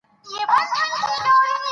تودوخه د افغان کورنیو د دودونو مهم عنصر دی.